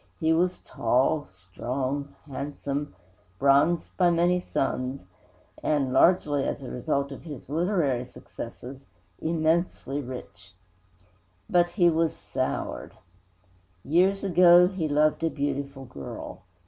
He was tall, strong, handsome, bronzed by many suns, and largely as a result of his literary successes immensely rich. But he was soured. Years ago he loved a beautiful girl.